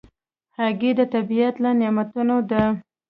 هګۍ د طبیعت له نعمتونو ده.